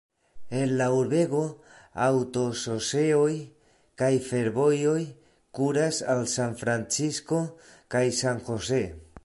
El la urbego aŭtoŝoseoj kaj fervojoj kuras al San Francisco kaj San Jose.